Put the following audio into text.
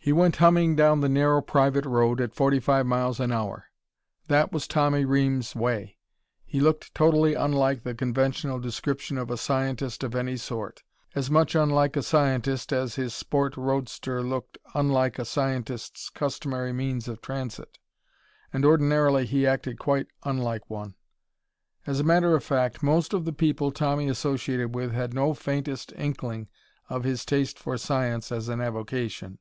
He went humming down the narrow private road at forty five miles an hour. That was Tommy Reames' way. He looked totally unlike the conventional description of a scientist of any sort as much unlike a scientist as his sport roadster looked unlike a scientist's customary means of transit and ordinarily he acted quite unlike one. As a matter of fact, most of the people Tommy associated with had no faintest inkling of his taste for science as an avocation.